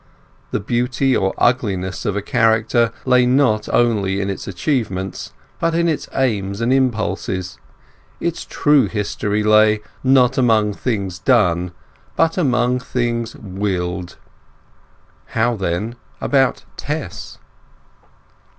The beauty or ugliness of a character lay not only in its achievements, but in its aims and impulses; its true history lay, not among things done, but among things willed. How, then, about Tess?